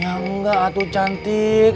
ya enggak atu cantik